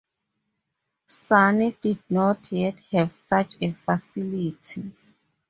Sony did not yet have such a facility.